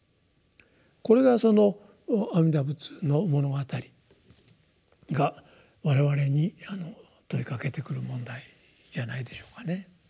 これがその「阿弥陀仏の物語」が我々に問いかけてくる問題じゃないでしょうかね。